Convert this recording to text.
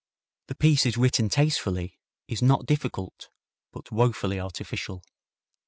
The piece is written tastefully, is not difficult, but woefully artificial.